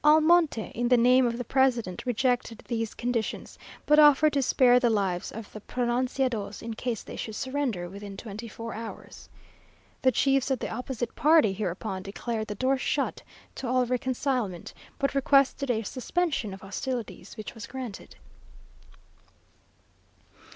Almonte, in the name of the president, rejected these conditions, but offered to spare the lives of the pronunciados, in case they should surrender within twenty four hours. The chiefs of the opposite party hereupon declared the door shut to all reconcilement, but requested a suspension of hostilities, which was granted.